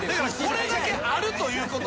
これだけあるということ。